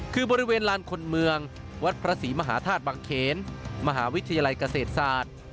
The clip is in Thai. คือบริเวณลานคนเมืองวัดพระศรีมหาธาตุบังเขนมหาวิทยาลัยเกษตรศาสตร์